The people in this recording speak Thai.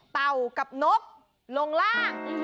เต่ากับนกลงล่าง